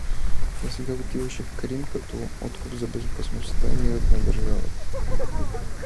Тя сега отиваше в Крим като откуп за безопасността и мирът на държавата.